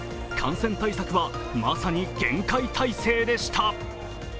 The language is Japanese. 感染対策はまさに厳戒態勢でした。